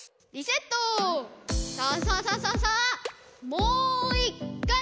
もう１かい！